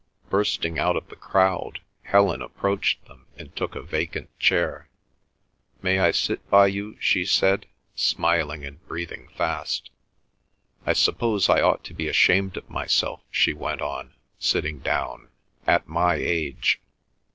Bursting out of the crowd, Helen approached them, and took a vacant chair. "May I sit by you?" she said, smiling and breathing fast. "I suppose I ought to be ashamed of myself," she went on, sitting down, "at my age."